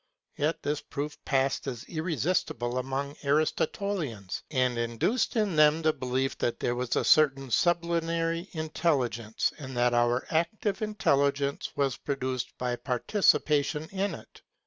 Yet this proof passed as irresistible amongst Aristotelians, and induced in them the belief that there was a certain sublunary intelligence and that our active intellect was produced by participation in it.